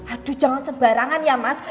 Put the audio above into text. aduh jangan sembarangan ya mas